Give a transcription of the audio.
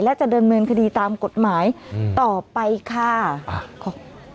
และจะเดินเมืองคดีตามกฎหมายอืมต่อไปค่ะอ่า